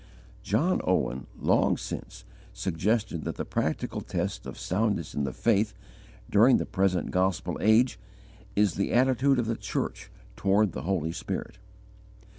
John Owen, long since, suggested that the practical test of soundness in the faith, during the present gospel age, is _the attitude of the church toward the Holy Spirit.